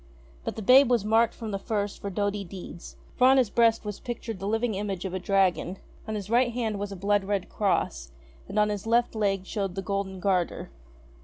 But the babe was marked from the first for doughty deeds ; for on his breast was pictured the living image of a dragon, on his right hand was a blood red cross, and on his left leg showed the golden garter.